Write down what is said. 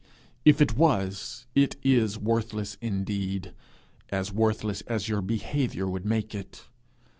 'If it was, it is worthless indeed as worthless as your behaviour would make it.